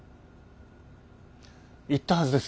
言ったはずです。